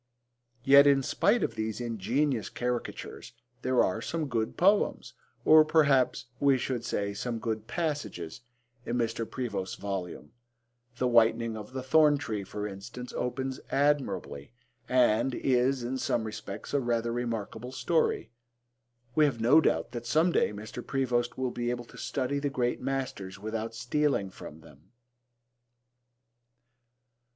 Yet, in spite of these ingenious caricatures there are some good poems, or perhaps we should say some good passages, in Mr. Prevost's volume. The Whitening of the Thorn tree, for instance, opens admirably, and is, in some respects, a rather remarkable story. We have no doubt that some day Mr. Prevost will be able to study the great masters without stealing from them.